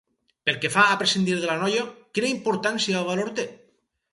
Pel que fa a prescindir de la noia, quina importància o valor té?